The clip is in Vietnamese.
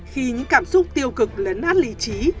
khi những cảm xúc tiêu cực lấn át lý trí